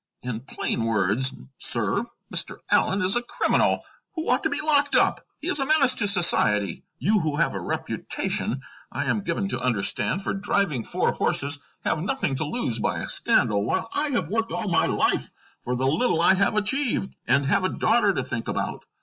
"In plain words, sir, Mr. Allen is a criminal who ought to be locked up; he is a menace to society. You, who have a reputation, I am given to understand, for driving four horses, have nothing to lose by a scandal, while I have worked all my life for the little I have achieved, and have a daughter to think about.